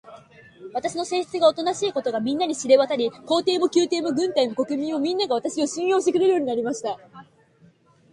私の性質がおとなしいということが、みんなに知れわたり、皇帝も宮廷も軍隊も国民も、みんなが、私を信用してくれるようになりました。